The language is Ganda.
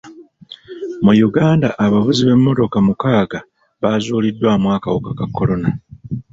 Mu Uganda abavuzi b'emmotoka mukaaga baazuuliddwamu akawuka ka kolona.